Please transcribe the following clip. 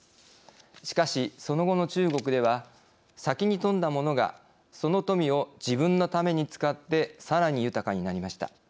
しかしその後の中国では先に富んだものがその富を自分のために使ってさらに豊かになりました。